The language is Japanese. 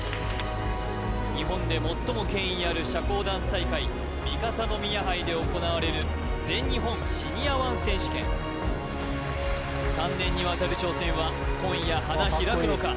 日本で最も権威ある社交ダンス大会三笠宮杯で行われる全日本シニアⅠ選手権３年にわたる挑戦は今夜花開くのか？